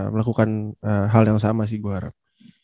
melakukan hal yang sama sih gue harap